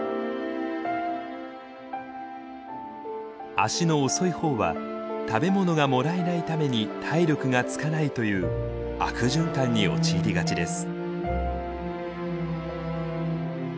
足の遅いほうは食べ物がもらえないために体力がつかないという悪循環に陥りがちです。